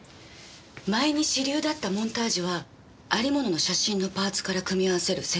前に主流だったモンタージュはありものの写真のパーツから組み合わせる選択。